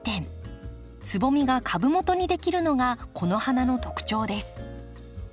つぼみが株元にできるのがこの花の特徴です。